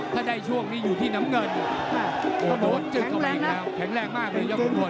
ถ้าได้ช่วงนี้อยู่ที่น้ำเงินแข็งแรงมากเลยยอดทุ่มทน